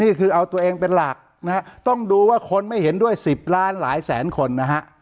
นี่คือเอาตัวเองเป็นหลักนะฮะต้องดูว่าคนไม่เห็นด้วย๑๐ล้านหลายแสนคนนะฮะ